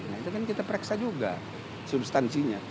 nah itu kan kita pereksa juga substansinya